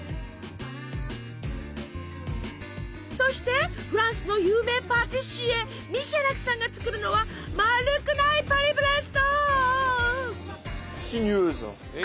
そしてフランスの有名パティシエミシャラクさんが作るのはまるくないパリブレスト！